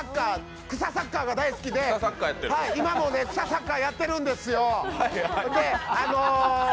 草サッカーが大好きで今も草サッカーやってるんですよー。